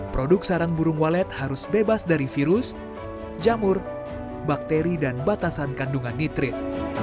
produk sarang burung walet harus bebas dari virus jamur bakteri dan batasan kandungan nitrit